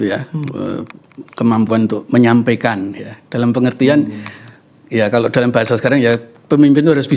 jangan lupa berlangganan dan deskripsi